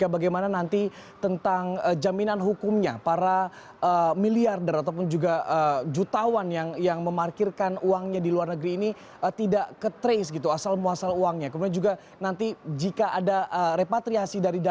berita terkini dari dpr